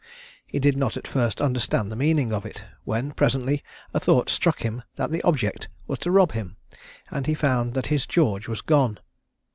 He did not at first understand the meaning of it, when presently a thought struck him that the object was to rob him, and he found that his "George" was gone.